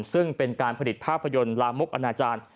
ซึ่งเป็นการผลิตภาพยนตร์ลามกอนาจารย์